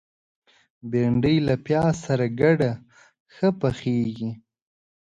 بېنډۍ له پیاز سره ګډه ښه پخیږي